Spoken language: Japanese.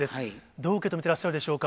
どう受け止めていらっしゃるでしょうか。